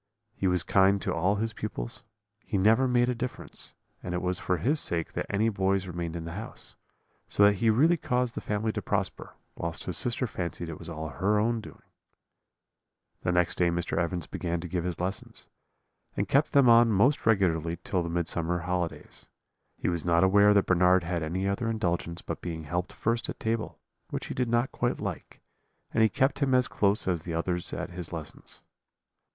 He was kind to all his pupils; he never made a difference: and it was for his sake that any boys remained in the house; so that he really caused the family to prosper, whilst his sister fancied it was all her own doing. "The next day Mr. Evans began to give his lessons; and kept them on most regularly till the Midsummer holidays. He was not aware that Bernard had any other indulgence but being helped first at table, which he did not quite like; and he kept him as close as the others at his lessons.